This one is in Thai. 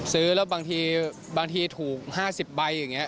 ซื้อแล้วบางทีถูก๕๐ใบอย่างนี้